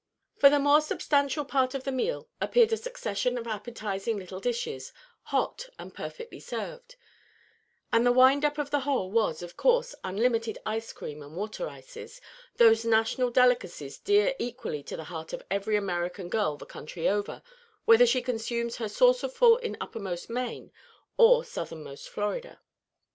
For the more substantial part of the meal appeared a succession of appetizing little dishes, hot and perfectly served; and the wind up of the whole was, of course, unlimited ice cream and water ices, those national delicacies dear equally to the heart of every American girl the country over, whether she consumes her saucer full in uppermost Maine or southernmost Florida.